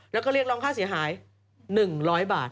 แล้วก็เรียกร้องค่าเสียหาย๑๐๐บาท